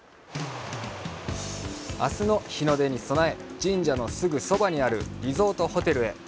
あすの日の出に備え、神社のすぐそばにあるリゾートホテルへ。